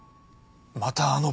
またあの